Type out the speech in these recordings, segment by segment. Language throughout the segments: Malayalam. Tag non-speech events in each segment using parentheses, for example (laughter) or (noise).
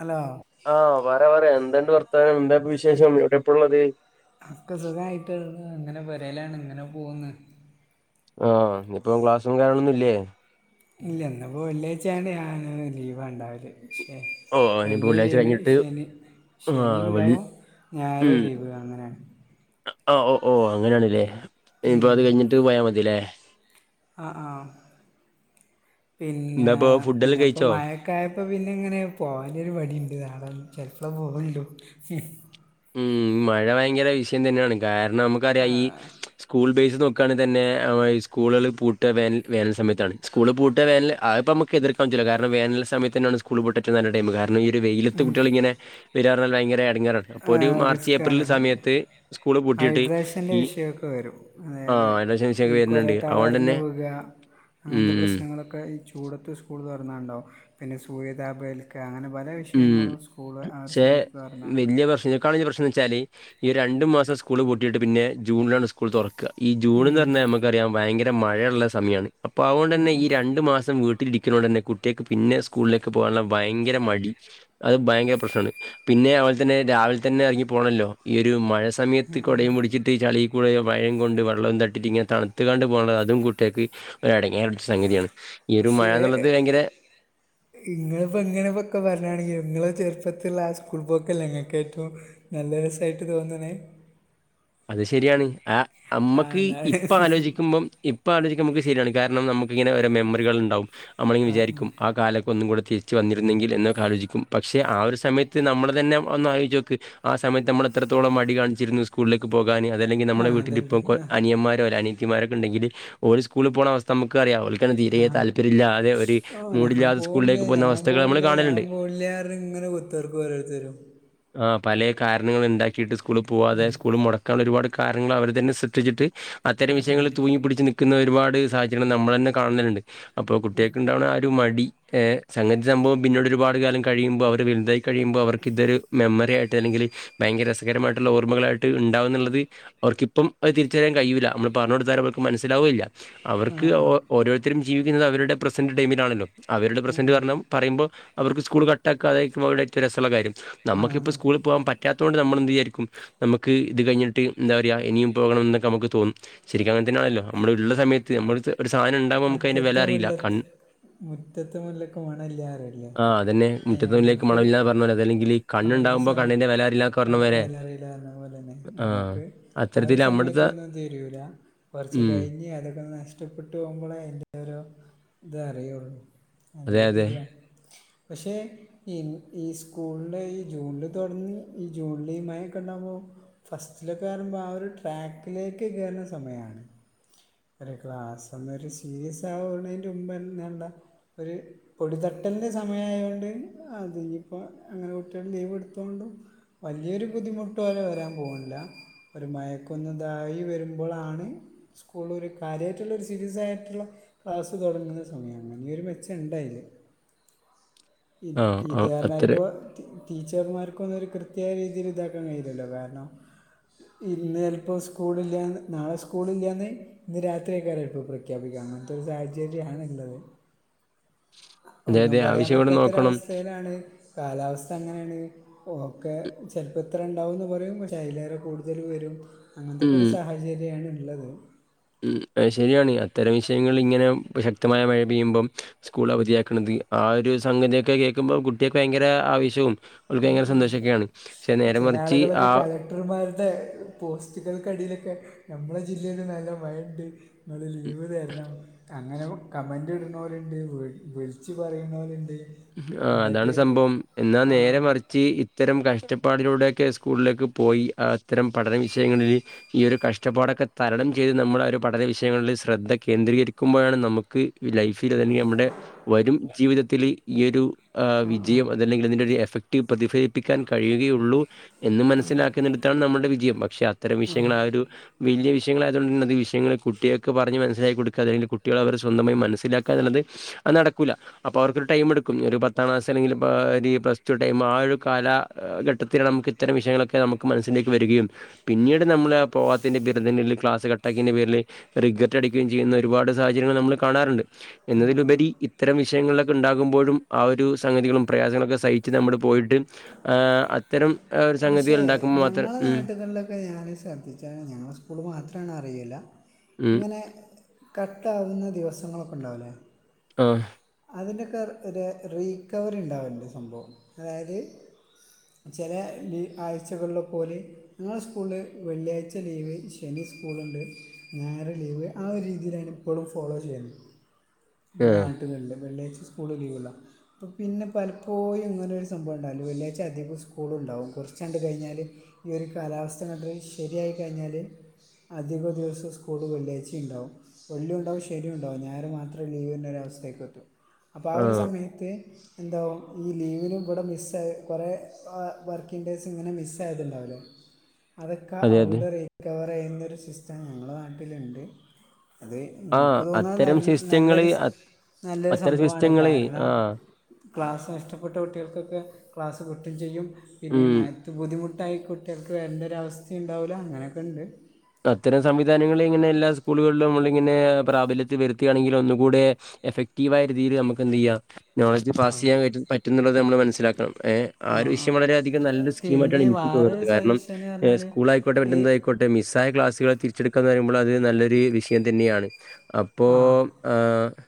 ഹലോ ആ പറേ പറേ എന്തുണ്ട് വർത്താനം എന്താപ്പവിശേഷം എവിടെപ്പള്ളത് ഒക്കെ സുഖായിട്ടങ്ങനെ പൊരേലാണ് ങ്ങനെ പോക്ന്ന് ആ ഇന്നിപ്പം ക്ലാസ്സും കാരണൊന്നുല്ലേ ഇല്ല ഇന്ന്പ്പോ വെള്ള്യയ്ച്ചായോണ്ട് ഞാൻ ലീവണ്ടാവല് പക്ഷേ ഓഹ് ഇനിയിപ്പോ വെള്ളി വെള്ളിയാഴ്ച ലീവ് കഴിഞ്ഞിട്ട് ശെനി ശനി ആഹ് വെള്ളി ണ്ടാവും ഞായറ് ലീവ് അങ്ങനെ അ അ ഓ ഓ അങ്ങനെണ്ല്ലേ ഞ്ഞിപ്പോ അത് കഴിഞ്ഞിട്ട് പോയാ മതില്ലേ അ ആ പിന്നെ എന്താപ്പൊ ഫുഡെല്ലാം പിന്നെപ്പോ കഴിച്ചോ മയ ക്കായപ്പോ പിന്നെ ഇങ്ങനെ പോവാനൊരു മടിണ്ട് നാളെ ചെൽപ്പളെ പോവുള്ളൂ ഉം മഴ ഭയങ്കര വിഷയം തന്നെണ് കാരണം നമ്മക്കറിയാ ഈ സ്കൂള് ബേസ് നോക്കാണെങ്കി തന്നെ സ്കൂളാള് പൂട്ട വേനൽ വേനൽ സമയത്താണ് സ്കൂള് പൂട്ട വേനല് അത് പ്പൊ നമ്മ ക്കെതിർക്കാൻ പറ്റൂല കാരണം വേനൽ സമയത്തെന്നെണ് സ്കൂള് പൂട്ടാൻ ഏറ്റവും നല്ല ടൈമ് കാ ഈ ഒരു വെയിലത്ത് കുട്ട്യാളിങ്ങനെ വരാന്ന് പറഞ്ഞാൽ ഭയങ്കര എടങ്ങേറാണ് ആഹ് റിസ്ക്കാണ്‌ സ്കൂള് പൂട്ടിയിട്ട് ഹൈഡ്രേഷൻ്റെ ഈ വിഷയമൊക്കെ വരും അതെ ആ അതെ അതിന്റെ ഈ ശനിശയൊക്കെ കൊറേ വരുന്നുണ്ട് അതുകൊണ്ട് തളർന്ന് തന്നെ വിക അങ്ങനത്തെ ഉം പ്രശ്നങ്ങൾ ക്കെ ഈ ചൂടത്ത് സ്കൂൾ തുന്നാണ്ടാകും പിന്നെ സൂര്യതാപേൽക്ക അങ്ങനെ പല ഉം വിഷയങ്ങളും സ്കൂള് ആ ഒരു സമയത്ത് തുറന്നണ്ടാകും കളിൽ പ്രശ്നന്ന് വെച്ചാൽ ഈ രണ്ട് മാസം സ്കൂൾ പൂട്ടിയിട്ട് പിന്നെ ജൂണിലാണ് സ്കൂൾ തൊറക്കാ ഈ ജൂൺന്ന് പറഞ്ഞാൽ നമുക്കറിയാം ഭയങ്കര മഴ ഇള്ള സമയമാണ് അപ്പൊ അതോണ്ടെന്നെ ഈ രണ്ടു മാസം വീട്ടിലിരിക്ക നോട് തന്ന കുട്ട്യാക്ക് പിന്നെ സ്കൂളിലേക്ക് പോകാനുള്ള ഭയങ്കര മടി അത് ഭയങ്കര പ്രശ്നമാണ് പിന്നെ അതുപോലെ തന്നെ രാവിലെ തന്നെ ഇറങ്ങി പോകണല്ലോ ഈ ഒരു മഴ സമയത്ത് കുടയും പിടിച്ചിട്ട് ചളി കൂടെ മഴയും കൊണ്ട് വെള്ളം തട്ടിട്ട് ഇങ്ങനെ തണുത്തു കൊണ്ട് പോണത് അതും കുട്ടിൾക്ക് ഒരു എടങ്ങേറ് പിടിച്ച സംഗതിയാണ്. ഈ ഒരു മഴ എന്നുള്ളത് ഭയങ്കര ഇങ്ങളിപ്പോ ഇങ്ങനെ ഒക്കെ പറഞ്ഞാണെങ്കിലും ഇങ്ങളെ ചെറുപ്പത്തില്ള്ള ആ സ്കൂൾ പോക്കല്ല ഇങ്ങൾക്ക് ഏറ്റവും നല്ല രസായിട്ട് തോന്ന്ണ് അത് ശരിയാണ് ആ അമ്മക്ക് അതാണ് ഇപ്പം ആലോചിക്കുമ്പം ഇപ്പൊ ആലോചിക്കുമ്പോൾ നമുക്ക് ശരിയാണ് കാരണം നമ്മുക്ക് ഇങ്ങനെ ഓരോ മെമ്മറികൾ ഉണ്ടാവും. നമ്മളും വിചാരിക്കും ആ കാലൊക്കെ ഒന്നും കൂടെ തിരിച്ച് വന്നിരുന്നെങ്കിൽ എന്നൊക്കെ ആലോചിക്കും പക്ഷേ ആ ഒരു സമയത്ത് നമ്മളെ തന്നെ ഒന്ന് ആലോചിച്ച് നോക്ക് ആ സമയത്ത് നമ്മൾ എത്രത്തോളം മടി കാണിച്ചിരുന്നു. ക്ക് പോകാന് അതല്ലെങ്കിൽ ആ നമ്മുടെ വീട്ടിൽ അതുണ്ട് ഇപ്പോ ആ അനിയന്മാരോ അനീയത്തിമാരൊക്കെ ഉണ്ടെങ്കിൽ ഓല് സ്കൂളിൽ പോണ അവസ്ഥ നമുക്ക് അറിയാം ഓൽക്ക് അന്ന് തീരെ താല്പര്യമില്ലാതെ ഒരു ഓ മൂടില്ലാതെ സ്കൂളിലേക്ക് പോകുന്ന അവസ്ഥകൾ നമ്മൾ കാണലുണ്ട്. മോല്യായാറ് ഇങ്ങനെ കുത്തർക്കും ഓരോര്ത്തരും ആ പലേ കാരണങ്ങൾ ഇണ്ടാക്കിയിട്ട് സ്കൂളിൽ പോവാതെ മുടക്കാൻ ഉള്ള ഒരുപാട് കാരണങ്ങൾ അവർ തന്നെ സൃഷിച്ചിട്ട് അത്തരം വിഷയങ്ങളിൽ തൂങ്ങി പിടിച്ച് നിൽ ക്കുന്ന ഒരുപാട് സാഹചര്യങ്ങൾ നമ്മൾ തന്നെ കാണല്ണ്ട് അപ്പോ കുട്ട്യാക്ക് ഉണ്ടാവ്ണ ആ ഒരു മടി എ സംഗതി സംഭവം പിന്നോട് ഒരുപാട് കാലം കഴിയുമ്പോൾ അവർ വലുതായി കഴിയുമ്പോൾ അവർക്ക് ഇതൊരു മെമ്മറിയായിട്ട് അല്ലെങ്കിൽ ഭയങ്കര രസകരമായിട്ടുള്ള ഓർമ്മകളായിട്ട് ട്ട് ഉണ്ടാവുന്നുള്ളത് അവർക്കിപ്പം അത് തിരിച്ചറിയാൻ കഴിയൂല്ല നമ്മൾ പറഞ്ഞു കൊടുത്താൽ അവർക്ക് മനസ്സിലാവുകയുമില്ല. ആ അവർക്ക് ആ ഓരോരുത്തരും ജീവിക്കുന്നത് അവരുടെ പ്രസന്റ് ടൈമിലാണല്ലോ അവരുടെ പ്രസന്റ് കാരണം പറയുമോമ്പോ അവർക്ക് സ്കൂൾ കട്ടാക്കാതെ പോകലേർക്കും രസമുള്ള കാര്യം ആ നമുക്കിപ്പോൾ അതാ സ്കൂളിൽ പോകാൻ പറ്റാ പറ്റാത്തതുകൊണ്ട് നമ്മൾ എന്ത് വിചാരിക്കും നമുക്ക് ഇത് കഴിഞ്ഞിട്ട് എന്താ പറയാ ഇനിയും പോകണം എന്നൊക്കെ നമുക്ക് തോന്നും ശരിക്കും അങ്ങനെ തന്നെയാണല്ലോ നമ്മൾ ഇള്ള സമയത്ത് നമ്മൾ ഒരു സാധനം ഉണ്ടാവുമ്പോ നമുക്ക് അതിന്റെ വെല മുറ്റത്തെ അറീല്ല മുല്ല കണ്ട മുറ്റത്തെ മുല്ലക്ക് മണം ഇല്ലാറല്ലേ ആ അതന്നെ മുറ്റത്തുള്ളിലേക്ക് നമ്മക്ക് മണമില്ലാന്ന് പറഞ്ഞ പോലെ അതല്ലെങ്കിൽ ഈ ആഹ് ഒരു കണ്ണുണ്ടാകുമ്പോൾ സാനം കണ്ണിൻ്റെ വില അറിയില്ല എന്നൊക്കെ പറഞ്ഞ അത് പോലെ വെലെ അറീലാന്ന്പറഞ്ഞ പോലെന്നെ.. ആ ഓക്കേ ആ അത്തരത്തിൽ ഒരു നമ്മുടെ സമയത്തൊന്നും തരൂല്ല. കുറച്ച് ഉം കഴിഞ്ഞ് അതൊക്കെ നഷ്ടപ്പെട്ടു പോകുമ്പോളേ അതിന്റെ ഒരു ഇത് അറിയൊള്ളൂ. അത് അതെ അതെ ശരിയാ പക്ഷേ ഇനി ഈ സ്കൂളിൽ ഈ ജൂണിൽ തൊടങ്ങി ഈ ജൂൺലി മഴയൊക്കെ ഇണ്ടാമ്പോ ഫസ്റ്റിലൊക്കെ പയറുമ്പോൾ ആ ഒരു ട്രാക്കിലേക്ക് കയറുന്ന സമയമാണ്. ഒരു ക്ലാസ്സൊന്നൊരു സീരിയസ് ആവ്ണേന്റെ മുമ്പന്നെള്ള ഒരു പൊടിതട്ടലിൻ്റെ സമയമായതുകൊണ്ട് അത് ഇനിയിപ്പോ അങ്ങനെ കുട്ടികൾ ലീവെടുത്തുകൊണ്ടും വലിയൊരു ബുദ്ധിമുട്ടാള് വരാൻ പോകുന്നില്ല ഒരു മയക്കൊന്ന് ഇതായി വരുമ്പോഴാണ് ഉള്ള ഒരു കാര്യമായിട്ടുള്ളൊരു സീരിയസ് ആയിട്ടുള്ള ക്ലാസ് തുടങ്ങുന്ന സമയമാണ് ഇനി ഒരു മെച്ചം ഉണ്ടതിൽ ആ ആ ഇത് അത്ര കാരണമാണിപ്പൊ ടീച്ചർമാർക്കൊന്നും ഒരു കൃത്യായ രീതിയിൽ ഇതാക്കാൻ കഴിയില്ലല്ലോ കാരണം ഇന്ന് ചിലപ്പോൾ സ്കൂളില്ലാന്ന് നാളെ സ്കൂളില്ലാന്ന് ഇന്ന് രാത്രിയക്കാരം ഇപ്പോൾ പ്രഖ്യാപിക്കാ അങ്ങനത്തെ ഒരു സാഹചര്യമാണുള്ളത്. അതെ ഒന്നും അതെ പറയാൻ ആവശ്യം കൂടെ പറ്റാത്ത നോക്കണം ഒരുവസ്ഥയിലാണ് കാലാവസ്ഥ അങ്ങനെയാണ്. ഓക്കെ ചിലപ്പോ ഇത്ര ഇണ്ടാവുന്ന് പറയും പക്ഷെ അതിലേറെ കൂടുതൽ വരും അങ്ങനത്തൊക്കെ ഉം ഒരു സാഹചര്യമാണ് ഉള്ളത് ഉം അത് ശരിയാണ് അത്തരം വിഷയങ്ങളിൽ ഇങ്ങനെ ശക്തമായ മഴ പെയ്യുമ്പം സ്കൂൾ അവധിയക്കണുന്നത് ആ ഒരു സംഗതിയൊക്കെ കേൾക്കുമ്പോൾ കുട്ടികൾക്ക് ഭയങ്കര ആവേശോം അവർക്ക് ഭയങ്കര സന്തോഷൊക്കെയാണ് പക്ഷെ നേരെ മറിച്ച് ആ (unintelligible) മാരുടെ പോസ്റ്റുകൾക്കടിയിലൊക്കെ നമ്മുടെ ജില്ലയിൽ നല്ല മഴയുണ്ട്. ങള് ലീവ് തരണം. അങ്ങനെ കമന്റ് ഇട്ന്ണോല്ണ്ട് വിളിച്ച് പറീണോല്ണ്ട്. ആ അതാണ് സംഭവം എന്നാ നേരെ മറിച്ച് ചി ഇത്തരം കഷ്ടപ്പാടിലൂടെയൊക്കെ സ്കൂളിലേക്ക് പോയി അത്തരം പഠന വിഷയങ്ങളില് ഈ ഒരു കഷ്ടപ്പാടൊക്കെ തരണം ചെയ്ത് നമ്മൾ ഒരു പഠന വിഷയങ്ങളിൽ ശ്രദ്ധകേന്ദ്രികരിക്കുമ്പോഴാണ് നമ്മ ക്ക് ലൈഫിൽ തന്നെ നമ്മുടെ വരും ജീവിതത്തില് ഈ ഒരു ആ ആ വിജയം അതല്ലെങ്കിൽ ഇതിന്റെ ഒരു എഫക്ടീവ് പ്രതിഫലിപ്പിക്കാൻ കഴിയുകയുള്ളൂ എന്ന് മനസ്സിലാക്കുന്നിടുത്താണ് നമ്മുടെ വിജയം. പക്ഷെ അത്തരം വിഷയങ്ങൾ ആ ഒരു വലിയ വിഷയങ്ങള ആതുകണ്ടര അത്ഈ വിഷയങ്ങ കുട്ടികൾക്ക് പറഞ് മനസ്സിലായി കൊടുക. അല്ലെങ്കി കുട്ടികൾ അവർ സ്വന്തമായി മനസ്സിലാക്കുക എന്നുള്ളത് അത് നടക്കൂല അപ്പൊ അവർക്കൊരു ടൈം എടുക്കും ഒരു പത്ത പത്താം ക്ലാസ് അല്ലെങ്കിൽ പ്ലസ്റ്റു ടൈമ് ആ ഒരു കാലഘട്ടത്തില് നമുക്ക് ഇത്തരം വിഷയങ്ങളൊക്കെ ഒക്കെ നമുക്ക് മനസ്സിലേക്ക് വരികയും പിന്നീട് നമ്മള് ആ പോവാത്തിൻ്റെ പേരിൽ ക്ലാസ് കട്ടാക്കിയതിന്റെ പേരിൽ റിഗറ്റ് അടിക്കുകയും ചെയ്യുന്ന ഒരുപാട് സാഹചര്യങ്ങൾ നമ്മൾ കാണാറ്ണ്ട്. എന്നതിലുപരി ഇത്തരം വിഷയങ്ങളിലൊക്കെ ഉണ്ടാകുമ്പോഴും ആ ഒരു സംഗതികളും പ്രയാസങ്ങളൊക്കെ സഹിച്ച് നമ്മള് പോയിട്ട് അ് അത്തരം ഒരു സംഗതികൾ ഉണ്ടാക്കുമ്പോൾ മാത്രം ഉം. തേൾലൊക്കെ ഞാനും ശ്രദ്ധിച്ചായിരുന്നു ഞങ്ങളെ സ്കൂള് മാത്രമാണ് അറിയൂല ഉം ങ്ങനെ കട്ടാകുന്ന ദിവസങ്ങളൊക്കെ ണ്ടാവുല്ലേ? ം അതിന്റക്കെ രേ റീക്കവറി ഉണ്ടാവൽണ്ട് സംഭവം. അതായത് ചെലെ ആഴ്ചകൾലൊക്കൊല് ങ്ങളെ സ്കൂൾന് വെള്ളിയാഴ്ച ലീവ് ശനി സ്കൂളുണ്ട്? ഞായറ് ലീവ് ആ ഒരു രീതിയിലാണ് ഇപ്പോളും ഫോളോ ചെയ്യുന്നത്. ആ ഉണ്ട് വെള്ളിയാഴ് സ്കൂളിൽ ലീവില്ല. പിന്നെ പലപ്പോഴും ങ്ങനൊരു പ സംഭവംഉണ്ടാവില്ല വെള്ളിയാഴ്ച അധികം സ്കൂളുണ്ടാവും. കൊറച്ചങ്ങ്ട് കഴിഞ്ഞാല് ഈ ഒരു കാലാവസ്ഥങ്ങ്ട്ട് ശരിയായിക്കഴിഞ്ഞാല് അധിക ദിവസ സ്കൂള് വെള്ളിയാഴ്ചീണ്ടാവും. വെള്ളി ണ്ടാവും ശനി ഉണ്ടാവും ഞായർ മാത്രം ലീവിനര്നൊര വസ്ഥീക്കെത്തും. അപ്പൊ ആ ഒരു സമയം ത് എന്താവും ഈ ലീവിന് ബടെ മിസ്സായെ കുറേ വർക്കിംഗ് ഡേയ്സ്ങ്ങനെ മിസ്സാ ആയത്ണ്ടാവൊല്ലേ. അതൊക്കെ അതെ അതെ ഔഡ് റിക്കവർ ചെയ്യുന്നൊരു സിസ്റ്റം ഞങ്ങളുടെ നാട്ടിലുണ്ട്. അത് ആ ൻക്ക് തോന്ന്ണ് അത്തരം സിസ്റ്റങ്ങള് നല്ലൊരു നല്ലൊരു അത്തരം സംഭവമാണ് സിസ്റ്റങ്ങള് കാരണം. ആ ക്ലാസ് നഷ്ടപ്പെട്ട കുട്ടികൾക്കൊക്കെ ക്ലാസ്സ് കിട്ടും ചെയ്യും. പിന്നെ ഉം മഴത്ത് ബുദ്ധിമുട്ടായി കുട്ടികൾക്ക് വര്ൻ്റൊരവസ്ഥീ ണ്ടാവുല അങ്ങനെക്കെ ണ്ട്. അത്തരം സംവിധാനങ്ങളിങ്ങനെ എല്ലാ സ്കൂളുകളിലും നമ്മളിങ്ങനെ പ്രാബല്യത്തിൽ വരുത്തുകയാണെങ്കില് ഒന്നുകൂടെ എഫക്റ്റീവായ രീതിയിൽ നമുക്ക് എന്തിയ്യാ നോളജ് ആ പാസീയ്യാം പറ്റുന്നുള്ളത് നമ്മൾ മനസ്സിലാക്കണം. ഏ ആ ഒരു വിഷയം വളരെയധികം നല്ലൊരു പിന്നെ സ്കീമായിട്ടാണ് ഇൻക്ക് തോന്നുന്നത് വേറൊരു കാരണം സജഷൻ എന്ന് പറഞ്ഞാൽ സ്കൂളായിക്കോട്ടെ ഈ മറ്റെന്തായി ക്കോട്ടെ മിസ്സായ ക്ലാസുകൾ തിരിച്ചെടുക്കാന്ന്റയുമ്പോൾ അത് നല്ലൊരു വിഷയം തന്നെയാണ്. പ്പോ ആഹ് ആ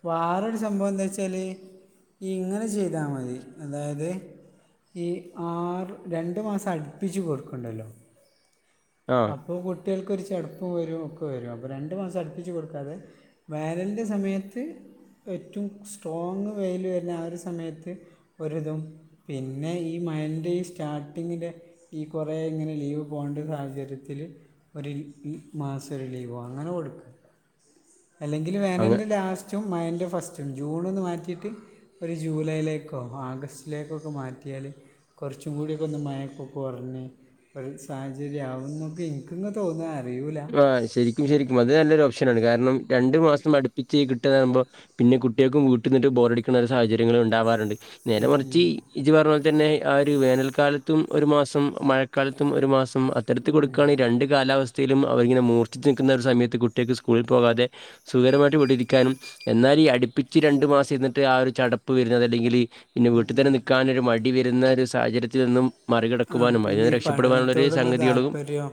വേറൊരു സംഭവം എന്താച്ചാൽ ഇങ്ങനെ ചെയ്താമതി. അതായത് ഈ ആറ് രണ്ട് മാസം അട്പ്പിച്ച് കൊടുക്ക്ണ്ടല്ലോ. ആഹ് അപ്പൊ കുട്യോൾക്കൊരു ചെടുപ്പ് വരും ഒക്കെ വരും അപ്പൊ രണ്ടു മാസം അടുപ്പിച്ച് കൊടുക്കാതെ വേനൽൻ്റെ സമയത്ത് ഏറ്റവും സ്ട്രോങ് വെയില് വെര്ന ആ ഒരു സമയത്ത് ഒരിതും പിന്നെ ഈ മഴെൻ്റെ ഈ സ്റ്റാർട്ടിങ്ങിലെ ഈ കുറേങ്ങനെ ലീവ് പോണ്ടെ സാഹചര്യത്തില് ഒരു മാസം ഒരു ലീവോ അങ്ങനെ കൊടുക്ക. അല്ലെങ്കിൽ അങ്ങ വേനൽന്റെ ലാസ്റ്റും മഴെൻ്റെ ഫസ്റ്റും ജൂണൊന്ന് മാറ്റിയിട്ട് ഒരു ജൂലൈയിലേക്കോ ആഗസ്റ്റിലേക്കൊക്കെ മാറ്റിയാല് കുറച്ചും കൂടിയൊക്കെ ഒന്ന് മയക്കൊക്കെ കുറഞ്ഞ് ഒരു സാഹചര്യംആവും എന്നൊക്കെ എനിക്ക് ഇങ്ങ് തോന്നാ അറിയൂല ഉം ശരിക്കും അത് നല്ലൊരു ഓപ്ഷനാണ് കാരണം രണ്ട് മാസം അടുപ്പിച്ച് കിട്ടുന്നത് ആകുബോൾ പിന്നെ കുട്ടികൾക്കും വീട്ടിൽ നിന്നട്ട് ബോറടിക്കണ ഒരു സാഹചര്യങ്ങൾ ഉണ്ടാവാറുണ്ട് നേരെ മറിച്ച് ഇജ്ജ് പറഞ്ഞ പോലെ തന്നെ ആ ഒരു വേനൽക്കാലത്തും ഒരു മാസം മഴക്കാലത്തും ഒരു മാസം ഉം അത്തരത്തി കൊടുക്കണെൽ രണ്ട് കാലാവസ്ഥയിലും അവരിങ്ങനെ മൂർച്ചിച്ച് നിൽക്കുന്ന ഒരു സമയത്ത് കുട്ട്യേൾക്ക് സ്കൂളിൽ പോകാതെ സുഖകരമായിട്ട് ഇവിടിരിക്കാനും എന്നാൽ ഈ അട്പ്പിച്ച് രണ്ട് മാസം ഇരുന്നിട്ട് ആ ഒരു ചടപ്പ് വരുന്നത് അല്ലെങ്കില് പിന്നെ വീട്ട് തന്നെ നിൽക്കാനൊരു മടി വരുന്ന ഒരു സാഹചര്യത്തിൽ നിന്നും ആഹ് മറികടക്കുവാനും അതിൽ പിന്നെ നിന്ന് ഈ രക്ഷപ്പെടുവാനുള്ള ഒരു പഠനത്തോടുള്ള സംഗതികളും താല്പര്യം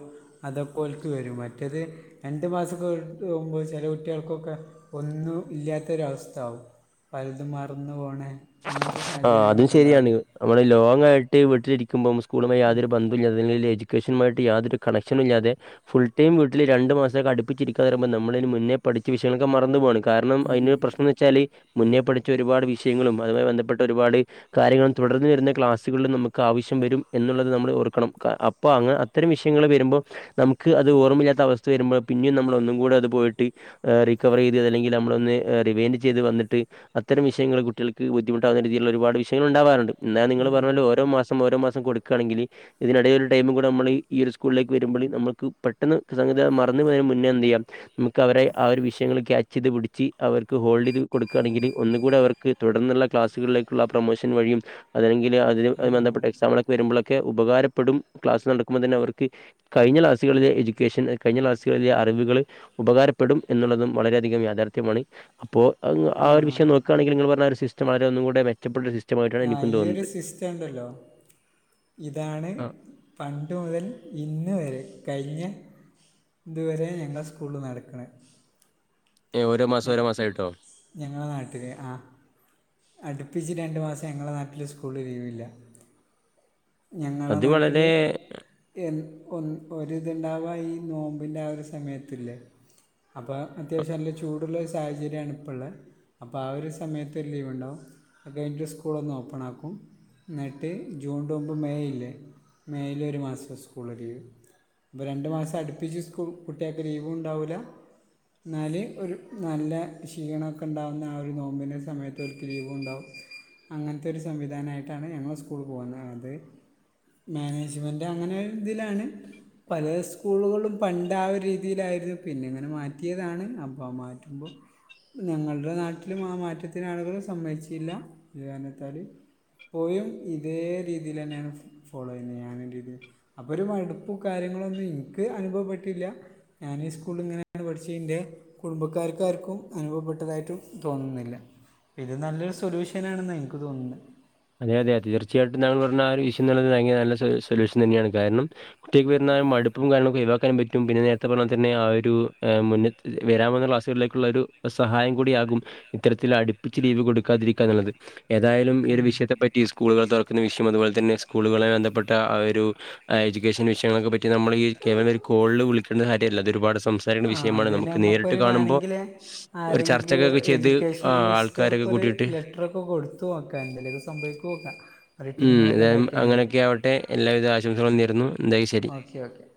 അതൊക്കെ ഓൽക്ക് വരും മറ്റേത് രണ്ടു മാസക്കെ കഴിഞ്ഞിട്ട് പോകുമ്പോൾ ചെല കുട്ടികൾക്കൊക്കെ ഒന്നും ഇല്ലാത്തൊരവസ്ഥ ആവും പൽതും മറന്ന്പോണേ അങ്ങനത്തെ ആഹ് അതും സാഹചര്യങ്ങളെക്കെ ശരിയാണ് ഇണ്ടാവല്ലോ നമ്മള് ലോങ് ആയിട്ട് വീട്ടിലിരിക്കുമ്പം സ്കൂളുമായി യാതൊരു ബന്ധ മില്ലാതെ അല്ലെങ്കില് എഡ്യുക്കേഷനുമായിട്ട് യാതൊരു കണക്ഷനുമില്ലാതെ ഫുൾ ടൈം വീട്ടില് രണ്ട് മാസക്കെ അടിപ്പിച്ചിരിക്കാന്ന് പറേമ്പം നമ്മള്ന് മുന്നേ പഠിച്ച വിഷയങ്ങളൊക്കെ മറന്ന് പോവാണ് കാരണം അയിനൊരു പ്രശ്നംന്ന് വെച്ചാല് മുന്നേ പഠിച്ച ഒരുപാട് വിഷയങ്ങളും അതുമായി ബന്ധപ്പെട്ട ഒരുപാട് കാര്യങ്ങളും തുടർന്ന് വരുന്ന ക്ലാസ്സുകളിലും നമുക്ക് ആവശ്യം വരും എന്നുള്ളത് നമ്മൾ ഓർ ക്കണം ക അപ്പൊ അങ്ങ അത്തരം വിഷയങ്ങള് വരുമ്പോ നമുക്ക് അത് ഓർമ്മില്ലാത്ത അവസ്ഥ വരുമ്പോ പിന്നെയും നമ്മള് ഒന്നും കൂടെ അത് പോയിട്ട് റിക്കവറ് യ്ത് അത് അല്ലെങ്കിൽ നമ്മളൊന്ന് റിവൈന്റ് ചെയ്ത് വന്നിട്ട് അത്തരം വിഷയങ്ങള് കുട്ട്യൾ ൾക്ക് ബുദ്ധിമുട്ടാവുന്ന രീതിയിലുള്ള ഒരുപാട് വിഷയങ്ങൾണ്ടാവാറുണ്ട് എന്നാ നിങ്ങള് പറഞ്ഞപോലെ ഓരോ മാസം ഓരോ മാസം കൊടുക്കാണെങ്കില് ഇതിനിടയിൽ രു ടൈം കൂടെ നമ്മള് ഈ ഒരു സ്കൂളിലേക്ക് വരുമ്പള് നമ്മക്ക് പെട്ടെന്ന് സംഗതി മറന്ന് പോയ മുന്നേ എന്ത് ചെയ്യാം മുക്ക് അവരെ ആ ഒരു വഷയങ്ങള് ക്യാച്ച് ത് പുടിച്ച് അവർക്ക് ഹോൾഡ്യ്ത് കൊടുക്കാണെങ്കില് ഒന്ന് കൂടി അവർക്ക് തുടർന്നുള്ള ക്ലാസുകളിലേക്കുള്ള ആ പ്രൊമോഷൻ വഴിയും അല്ലെങ്കില് അതിനുമായി ബന്ധപ്പെട്ട എക്സാമുകളൊക്കെ വരുമ്പോളൊക്കെ ഉപകാരപ്പെടും ക്ലാസ് നടക്കുമ്പോ തന്നെ അവർക്ക് കഴിഞ്ഞ ക്ലാസുകളിലെ എഡ്യുക്കേഷൻ കഴിഞ്ഞ ക്ലാസ്സുകളിലെ അറിവുകള് ഉപകാരപ്പെടും എന്നുള്ളതും വളരെയധികം യാഥാർത്ഥ്യമാണ് അപ്പോ ആ ഒരു വിഷയം നോക്കാണെങ്കിൽ ങ്ങള് പറഞ്ഞാ ഒരു സിസ്റ്റം വളരെ ഒന്നും കൂടെ മെച്ചപ്പെട്ട ഒരു സിസ്റ്റമായിട്ടാണ് എനിക്കും തോന്നുന്നത് എന്തല്ലോ ഇതാണ് ആ. പണ്ട് മുതൽ ഇന്ന് വരെ കഴിഞ്ഞ ഇതുവരെ ഞങ്ങളെ സ്കൂളില് നടക്ക്ണേ ഏഹ് ഓരോ മാസം ഞ ഓരോ മാസായിട്ടോ? ഞങ്ങളെ നാട്ടില് ആഹ് അടുപ്പിച്ച് രണ്ട് മാസ ഞങ്ങളെ നാട്ടില് സ്കൂളില് ലീവില്ല ഞങ്ങളെ അത് നാട്ടില് വളരെ എ ഒ ഒരിത്ണ്ടാവാ ഈ നോമ്പിൻ്റെ ആ ഒരു സമയത്തില്ലേ അപ്പാ അത്യാവശ്യം നല്ല ചൂടുള്ളൊരു സാഹചര്യാണ് ഇപ്പള്ള അപ്പ ആ ഒരു സമയത്ത് ലീവ് ഉണ്ടാവും, അതുകഴിഞ്ഞിട്ട് സ്കൂളൊന്ന് ഓപ്പൺ ആക്കും ന്നിട്ട് ജൂൺന് മുമ്പ് മേയ് ഇല്ലേ മേയില് ഒരു മാസം സ്കൂള് ലീവ് അപ്പ രണ്ട് മാസം അടുപ്പിച്ച് സ്കൂ കുട്ട്യേക്ക് ലീവുംണ്ടാവുല്ല ന്നാല് ഒരു നല്ല ക്ഷീണക്കെ ണ്ടാവുന്ന ആ ഒരു നോമ്പിൻ്റെ സമയത്ത് ഓർക്ക് ലീവും ഉണ്ടാവും അങ്ങനത്തൊരു സംവിധാനായിട്ടാണ് ഞങ്ങള് സ്കൂള് പോവുന്നത്ത് മാനേജ്മെൻറ് അങ്ങനെ ഒരു ഇതിലാണ് പലേ സ്കൂളുകളും പണ്ട് ആ രീതിയിലായിരുന്നു പിന്നെ ഇങ്ങനെ മാറ്റിയതാണ് അപ്പോ മാറ്റുമ്പോ ഞങ്ങളുടെ നാട്ടിലും ആ മാറ്റത്തിന് ആളുകള് സമ്മയ്ച്ചില്ല ഇ കാരണത്താല് പോയും ഇതേ രീതിലെന്നാണ് ഫോളോ ചെയ്യുന്നത് ഞാന് (unintelligible) അപ്പൊരു മടുപ്പും കാര്യങ്ങളൊന്നും ഇൻക്ക് അനുഭവപ്പെട്ടില്ല ഞാന് ഈ സ്കൂള് ഇങ്ങനെയാണ് പഠിച്ചന്റെ കുടുംബക്കാർക്കാർക്കും അനുഭവപ്പെട്ടതായിട്ടും തോന്നുന്നില്ല ഇത് നല്ലൊരു സൊലൂഷ്യ ഷനാണെന്നാ ഇനിക്ക് തോന്നുന്നേ അതെ യതെ, തീർച്ചയായിട്ടും ഞങ്ങൾപർഞ്ഞാരു ഇഷുന്നുള്ളത് ഭയങ്കര നല്ല സൊലു സൊല്യൂഷൻ തന്നെയാണ്. കാര്ണം ഒറ്റയ്ക്ക് വര്ന്നാ മട് പ്പും കാര്ണൊക്കെ ഒയിവാക്കാനും പറ്റും. പിന്നെ നേര്ത്തെ പറഞ്ഞപോലെ തന്നെ ആ ഒരു ഏ മുന്നെ വെരാവുന്ന ക്ലാസുകളിലേക്ക്ള്ളരു സഹായം കൂടിയാകും. ഇത്തരത്തിലട്പ്പിച്ച് ലീവ് കൊട്ക്കാതിരിക്കാ നല്ലത്. ഏതായാലും ഈ ഒരു വിഷയ പറ്റിഈ സ്കൂള്കൾ തൊറക്കുന്ന വിഷും അത്പോലെ തന്നെ സ്കൂളുകളെ ബന്ധപ്പെട്ട ആ ഒരു ആഹ് എജുക്കേഷൻ വിഷയങ്ങൾക്കൊക്കെ പറ്റി നമ്മള്ഈ കേവലം ഒരു കോൾള് വിളിക്കേണ്ട കാര്യ അല്ലത് ഒരുപാട് സംസാരിക്കണ്ട ആഹ് വിഷയമാണ് അതിന് നമുക്ക് നേരിട്ട് നമ്മക്കൊരു കാണുമ്പൊ വേണെങ്കില് ഒരു ചർച്ചൊക്കെക്കെ ചെയ്ത് ആഹ് ആൾ ർക്കൊര് ലെറ്റ്റൊക്കെ കൊട്ത്ത് ഓക്കാ എന്തേലൊക്കെ സംഭവിക്കോക്കാ. ഉം എന്തായാലും അങ്ങനെയൊക്കെ ആവട്ടെ, എല്ലാവിധആശംസകളുംനേരുന്നു എന്തായി ശെരി. Okay okay